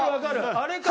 あれか。